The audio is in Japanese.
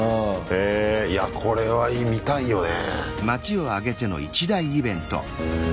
へいやこれは見たいよね。